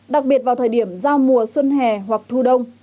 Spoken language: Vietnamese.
đặc biệt vào thời điểm giao mùa xuân hè hoặc thu đông